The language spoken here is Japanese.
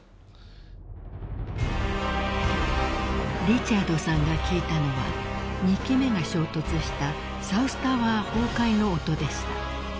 ［リチャードさんが聞いたのは２機目が衝突したサウスタワー崩壊の音でした］